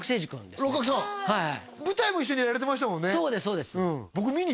舞台も一緒にやられてましたもんね